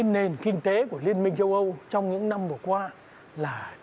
nền kinh tế của liên minh châu âu trong những năm vừa qua là